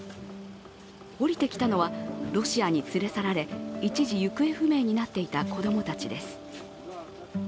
降りてきたのはロシアに連れ去られ、一時行方不明になっていた子供たちです。